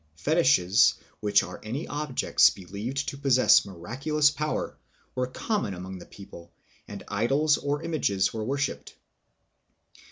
Fetishes, which are any objects believed to. possess miraculous power, were common among the people, and idols or images were worshiped.